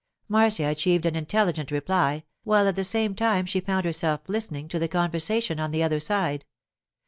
Marcia achieved an intelligent reply, while at the same time she found herself listening to the conversation on the other side.